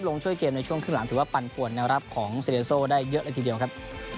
ลงช่วยเกมในช่วงครึ่งหลังถือว่าปันปวนแนวรับของเซเลโซได้เยอะเลยทีเดียวครับ